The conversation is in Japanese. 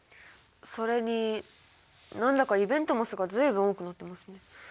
それに何だかイベントマスが随分多くなってますね。